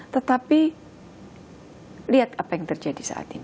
tetapi lihat apa yang terjadi saat ini